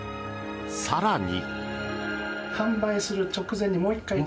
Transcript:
更に。